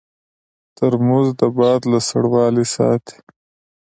ترموز د باد له سړوالي ساتي.